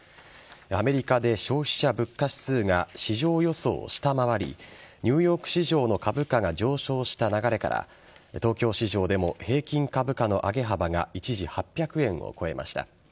アメリカで消費者物価指数が市場予想を下回りニューヨーク市場の株価が上昇した流れから東京市場でも平均株価の上げ幅が一時８００円を超えました。